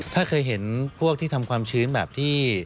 ถ้าเคยเห็นพวกที่ทำความชื้นแบบที่